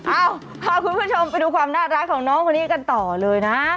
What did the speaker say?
เอ้าพาคุณผู้ชมไปดูความน่ารักของน้องคนนี้กันต่อเลยนะ